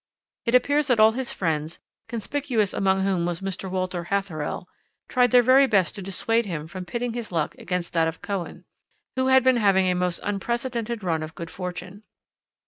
"It appears that all his friends, conspicuous among whom was Mr. Walter Hatherell, tried their very best to dissuade him from pitting his luck against that of Cohen, who had been having a most unprecedented run of good fortune.